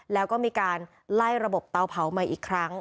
แล้วก็มีการไล่ระบบเตาเผาใหม่อีกครั้ง